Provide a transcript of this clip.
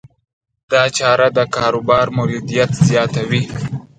دا چاره د کاروبار مولدیت زیاتوي.